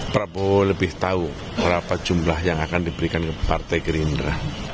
prabowo lebih tahu berapa jumlah yang akan diberikan ke partai gerindra